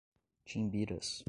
Timbiras